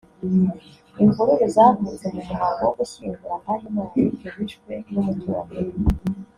Imvururu zavutse mu muhango wo gushyingura Ndahimana Eric wishwe n’umuturanyi we